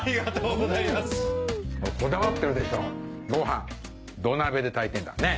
ご飯土鍋で炊いてんだねっ？